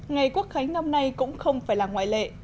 ngày quốc khánh năm nay cũng không phải là ngoại lệ